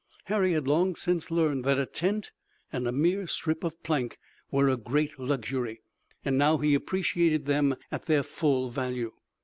Harry had long since learned that a tent and a mere strip of plank were a great luxury, and now he appreciated them at their full value.